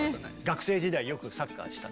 学生時代よくサッカーした。